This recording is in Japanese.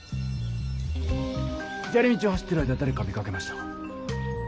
じゃり道を走ってる間だれか見かけましたか？